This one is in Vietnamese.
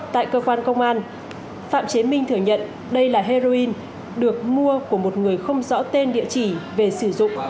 tại cơ quan công an phạm chiến minh thừa nhận đây là heroin được mua của một người không rõ tên địa chỉ về sử dụng